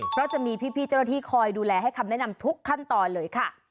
เพราะจะมีพี่เจ้าหน้าที่คอยดูแลให้คำแนะนำทุกขั้นตอนเลยค่ะ